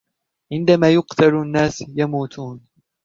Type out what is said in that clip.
عندما يُقتل الناس ، يموتون.